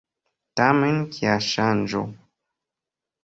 Tamen kia ŝanĝo!